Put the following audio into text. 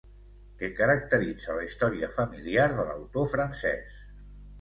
Que caracteritza la història familiar de l'autor francès.